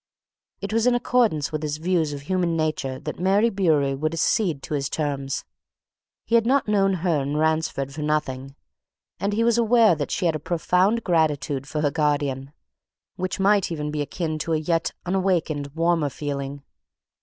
It was in accordance with his views of human nature that Mary Bewery would accede to his terms: he had not known her and Ransford for nothing, and he was aware that she had a profound gratitude for her guardian, which might even be akin to a yet unawakened warmer feeling.